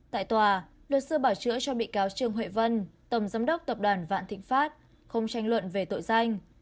tại tòa luật sư bảo chữa cho bị cáo trương huệ vân tổng giám đốc tập đoàn vạn thịnh pháp không tranh luận về tội danh